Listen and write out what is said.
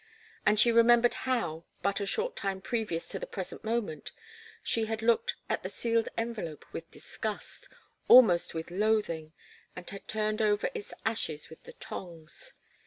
And she remembered how, but a short time previous to the present moment, she had looked at the sealed envelope with disgust almost with loathing, and had turned over its ashes with the tongs.